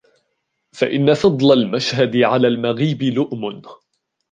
فَإِنَّ فَضْلَ الْمَشْهَدِ عَلَى الْمَغِيبِ لُؤْمٌ